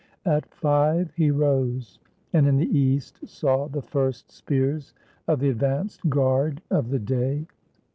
At five he rose; and in the east saw the first spears of the advanced guard of the day.